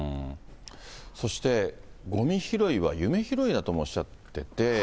そして、ごみ拾いは夢拾いともおっしゃってて。